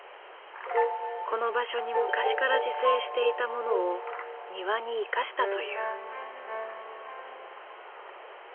この場所に昔から自生していたものを庭に生かしたという。